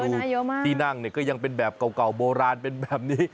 แล้วที่นั่งก็ยังเป็นแบบเก่าโบราณเป็นแบบนี้